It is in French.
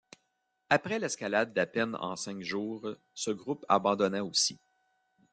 Après l'escalade d'à peine en cinq jours, ce groupe abandonna aussi.